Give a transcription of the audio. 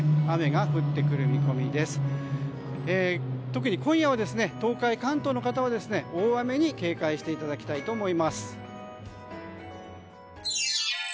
特に今夜は東海・関東の方は大雨に警戒していただきたいと思います。